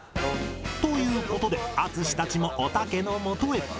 という事で淳たちもおたけのもとへ